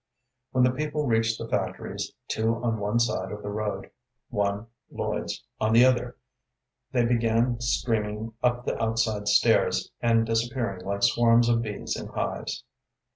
When the people reached the factories, two on one side of the road, one, Lloyd's, on the other, they began streaming up the outside stairs and disappearing like swarms of bees in hives.